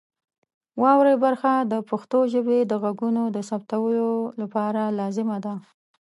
واورئ برخه د پښتو ژبې د غږونو د ثبتولو لپاره لازمه ده.